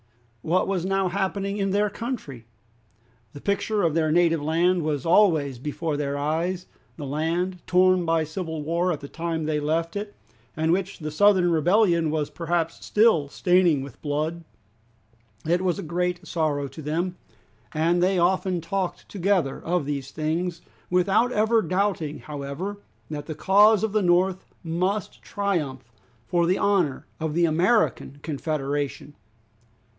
What was now happening in their country? The picture of their native land was always before their eyes, the land torn by civil war at the time they left it, and which the Southern rebellion was perhaps still staining with blood! It was a great sorrow to them, and they often talked together of these things, without ever doubting however that the cause of the North must triumph, for the honor of the American Confederation.